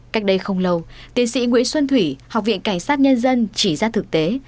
cách đây không lâu tiến sĩ nguyễn xuân thủy học viện cảnh sát nhân dân chỉ ra thực tế